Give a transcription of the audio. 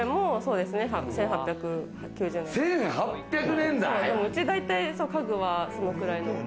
うち大体、家具はそのくらいの。